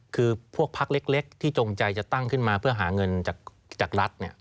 คือพวกพักเล็กที่จงใจจะตั้งขึ้นมาเพื่อหาเงินจากรัฐ